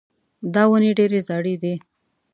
دا ونې ډېرې زاړې دي.